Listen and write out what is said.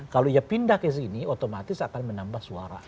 kalau ia pindah ke sini otomatis akan menambah suara